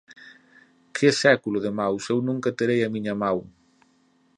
Que século de mans! –Eu nunca terei a miña man.